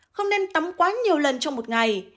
không nên tắm quá nhiều lần trong một ngày